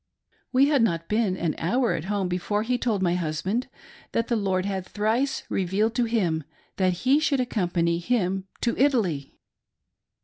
We had not been an hour at home, before he told my husband that the Lord had thrice revealed to him that he should accompany him to Italy